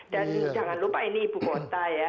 dan jangan lupa ini ibu kota ya